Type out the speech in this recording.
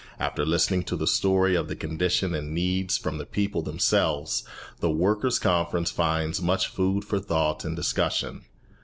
After listening to the story of the conditions and needs from the people themselves, the Workers' Conference finds much food for thought and discussion.